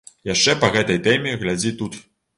Яшчэ па гэтай тэме глядзі тут.